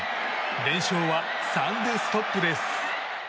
連勝は３でストップです。